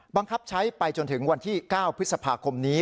บังคับใช้ไปจนถึงวันที่๙พฤษภาคมนี้